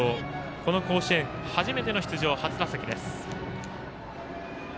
この甲子園初めての出場、初打席です。